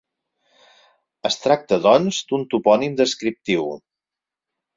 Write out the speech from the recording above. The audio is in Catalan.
Es tracta, doncs, d'un topònim descriptiu.